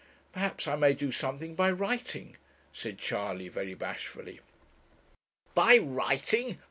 'Perhaps I may do something by writing,' said Charley, very bashfully. 'By writing!